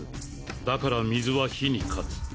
だから水は火に剋つ。